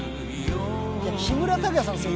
木村拓哉さんっすよ